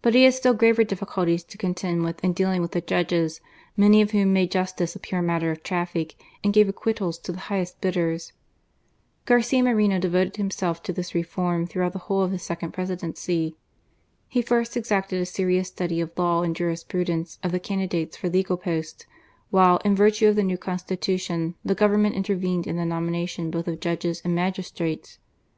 But he had still graver difficulties to contend with in dealing with the judges, many of whom made justice a pure matter of traffic, and gave acquittals to the highest bidders. Garcia Moreno devoted himself to this THE CLERGY, THE ARMY, AND THE MAGISTRACY. 227 Teform throughout the whole of his second Presi dency. He first exacted a serious study of law and jurisprudence of the candidates for legal posts, while, in virtue of the new Constitution, the Govern ment intervened in the nomination both of judges and magistrates.